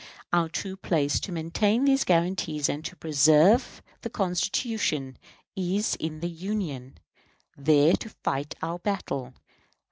Our true place, to maintain these guarantees and to preserve the Constitution, is in the Union, there to fight our battle.